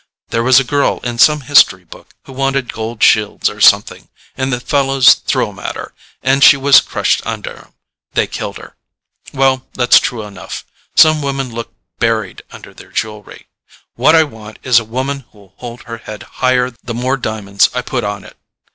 There was a girl in some history book who wanted gold shields, or something, and the fellows threw 'em at her, and she was crushed under 'em: they killed her. Well, that's true enough: some women looked buried under their jewelry. What I want is a woman who'll hold her head higher the more diamonds I put on it.